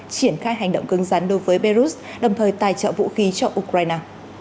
triển khai hành động cưng rắn đối với belarus đồng thời tài trợ vũ khí cho ukraine